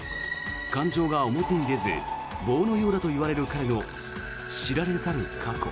感情が表に出ず棒のようだといわれる彼の知られざる過去。